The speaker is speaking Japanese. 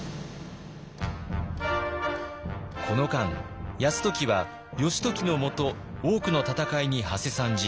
この間泰時は義時の下多くの戦いにはせ参じ